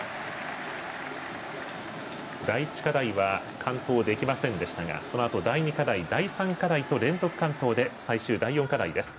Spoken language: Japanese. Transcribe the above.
第１課題は完登できませんでしたがそのあと、第２課題第３課題で連続完登で最終、第４課題です。